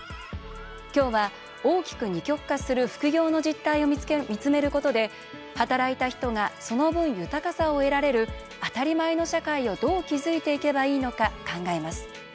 今日は、大きく二極化する副業の実態を見つめることで働いた人が、その分、豊かさを得られる当たり前の社会をどう築いていけばいいのか考えます。